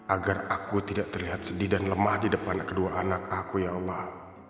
agar aku tidak terlihat sedih dan lemah di depan kedua anak aku ya allah